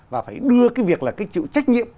và phải đưa cái việc là cái chịu trách nhiệm